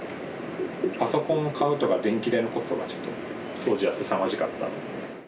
パソコンを買うとか電気代のコストがちょっと当時はすさまじかったので。